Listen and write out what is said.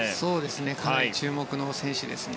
かなり注目の選手ですね。